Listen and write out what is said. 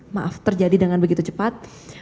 maaf terjadi dengan begitu cepat